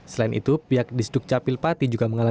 selain itu pihak disduk capil pati juga mengatakan